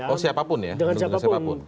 oh siapapun ya mendukung siapapun